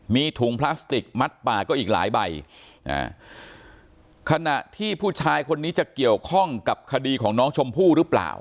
มีถุงพลาสติกมัดป่าก็อีกหลายใบอ่าขณะที่ผู้ชายคนนี้จะเกี่ยวข้องกับคดีของน้องชมพู่หรือเปล่า